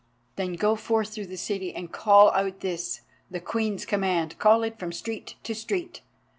Then go forth through the city and call out this, the Queen's command; call it from street to street.